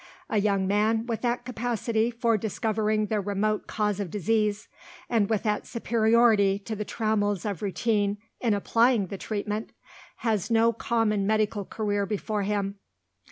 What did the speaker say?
A young man with that capacity for discovering the remote cause of disease, and with that superiority to the trammels of routine in applying the treatment, has no common medical career before him.